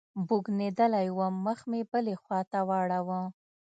بوږنېدلى وم مخ مې بلې خوا ته واړاوه.